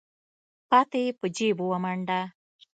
پاتې يې په جېب ومنډه.